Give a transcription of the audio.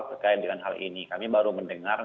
terkait dengan hal ini kami baru mendengar